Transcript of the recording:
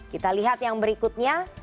kita lihat yang berikutnya